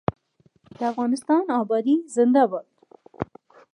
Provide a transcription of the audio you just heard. د افغانستان ابادي زنده باد.